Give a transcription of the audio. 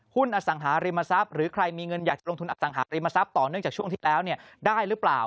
อสังหาริมทรัพย์หรือใครมีเงินอยากจะลงทุนอสังหาริมทรัพย์ต่อเนื่องจากช่วงที่แล้วได้หรือเปล่า